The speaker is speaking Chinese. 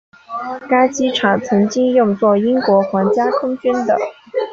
该机场曾经用作英国皇家空军的。